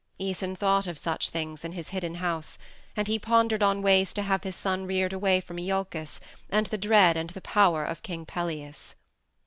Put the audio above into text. Æson thought of such things in his hidden house, and he pondered on ways to have his son reared away from Iolcus and the dread and the power of King Pelias.